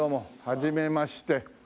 はじめまして。